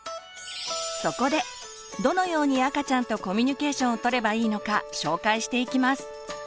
そこでどのように赤ちゃんとコミュニケーションをとればいいのか紹介していきます。